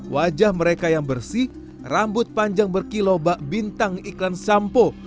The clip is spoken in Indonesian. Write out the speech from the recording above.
wajah mereka yang bersih rambut panjang berkilo bak bintang iklan sampo